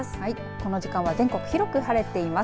この時間は全国広く晴れています。